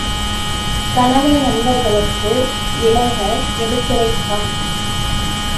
கனவை நண்பர்களுக்கு விளங்க எடுத்துரைத்தான்.